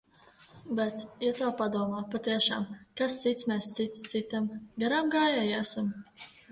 Bet, ja tā padomā, patiešām – kas cits mēs cits citam, garāmgājēji, esam?